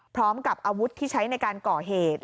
พร้อมกับอาวุธที่ใช้ในการก่อเหตุ